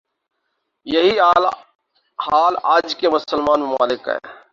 یہی حال آج کے مسلمان ممالک کا ہے ۔